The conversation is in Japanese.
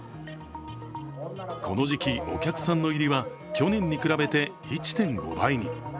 この時期、お客さんの入りは去年に比べて１．５倍に。